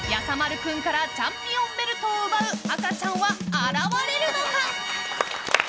君からチャンピオンベルトを奪う赤ちゃんは現れるのか？